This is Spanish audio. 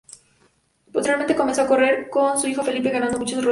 Posteriormente comenzó a correr con su hijo Felipe, ganando muchos rodeos.